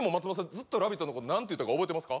ずっと「ラヴィット！」のこと何て言ったか覚えてますか？